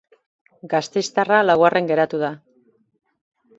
Gasteiztarra laugarren geratu da.